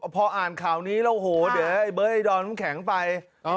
พออ่านข่าวนี้แล้วโหเดี๋ยวเบ้อไอ้ดอลมน้ำแข็งไป